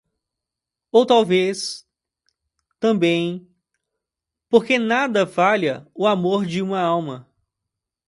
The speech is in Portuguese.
ou talvez, também, porque nada valha o amor de uma alma